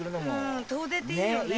うん遠出っていいよね！